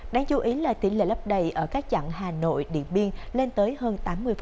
đáng chú ý là tỷ lệ lấp đầy ở các chặng hà nội điện biên lên tới hơn tám mươi